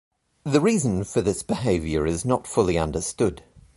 The reason for this behaviour is not fully understood.